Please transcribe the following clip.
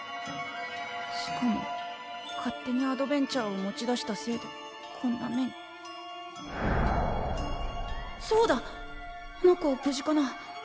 しかも勝手にアドベン茶を持ち出したせいでこんな目にそうだあの子は無事かな？